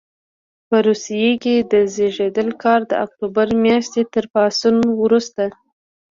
په روسیې کې د زېږدیز کال د اکتوبر میاشتې تر پاڅون وروسته.